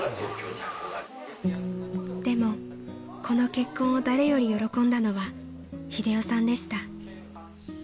この結婚を誰より喜んだのは英雄さんでした］